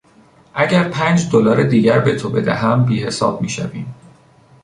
اگر پنج دلار دیگر به تو بدهم بیحساب میشویم.